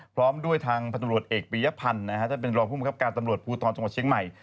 พร้อมด้วยทางพันธุรกิจเอกปียพันธ์ท่านเป็นรองภูมิครับการตำรวจภูทรจังหวัดเชียงใหม่